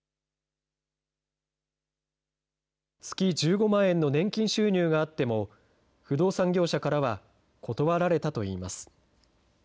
月１５万円の年金収入があっても、不動産業者からは断られたといいます。